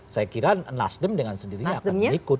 saya kira nasdem dengan sendirinya akan ikut